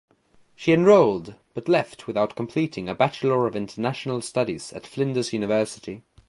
She enrolled but left without completing a Bachelor of International Studies at Flinders University.